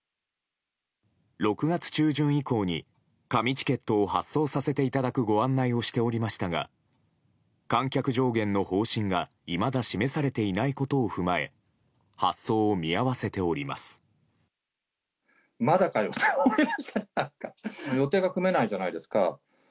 ６月中旬以降に紙チケットを発送させていただくご案内をしておりましたが観客上限の方針がいまだ示されていないことを踏まえ発送を見合わせております。